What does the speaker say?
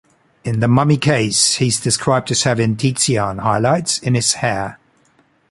In The Mummy Case, he is described as having Titian highlights in his hair.